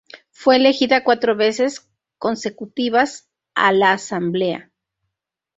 Fue elegida cuatro veces consecutivas a la Asamblea.